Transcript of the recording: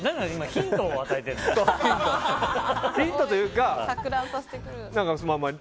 ヒントというか。